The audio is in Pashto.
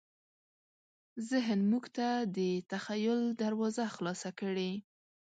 ذهن موږ ته د تخیل دروازه خلاصه کړې.